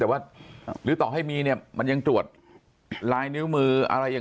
แต่ว่าหรือต่อให้มีมันยังตรวจลายนิ้วมือ